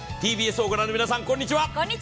ＴＢＳを御覧の皆さん、こんにちは。